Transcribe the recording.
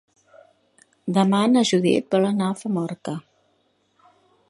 Demà na Judit vol anar a Famorca.